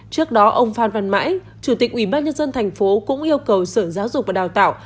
theo ông phan văn mãi chủ tịch ubnd tp cũng yêu cầu sở giáo dục và đào tạo